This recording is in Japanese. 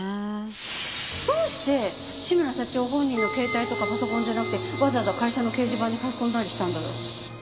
どうして志村社長本人の携帯とかパソコンじゃなくてわざわざ会社の掲示板に書き込んだりしたんだろう？